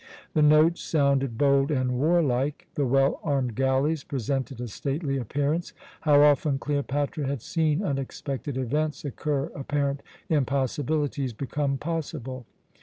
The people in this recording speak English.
The notes sounded bold and warlike. The well armed galleys presented a stately appearance. How often Cleopatra had seen unexpected events occur, apparent impossibilities become possible!